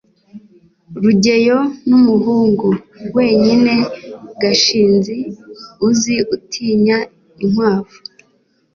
rugeyo numuhungu wenyine gashinzi uzi utinya inkwavu